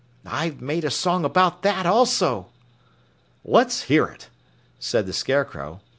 I've made a song about that, also." "Let's hear it," said the Scarecrow.